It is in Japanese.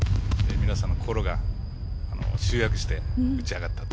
皆さんの心が集約して、打ちあがったと。